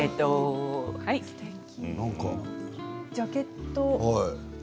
ジャケット。